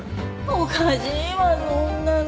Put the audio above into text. おかしいわそんなの！